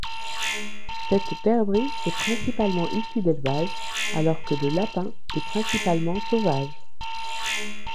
Cette perdrix est principalement issue d’élevage, alors que le lapin est principalement sauvage.